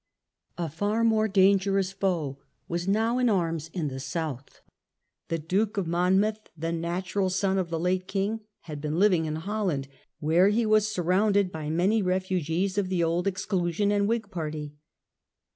A far more dangerous foe was now in arms in the South. The Duke of Monmouth, the natural son of the late king, had been living in Holland, where he was surrounded by many refugees of the old Exclusion and Whig party.